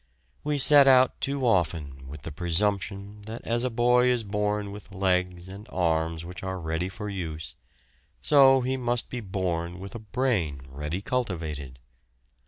We set out too often with the presumption that as a boy is born with legs and arms which are ready for use, so he must be born with a brain ready cultivated.